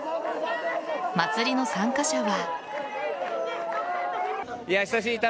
祭りの参加者は。